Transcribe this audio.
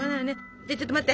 じゃちょっと待って。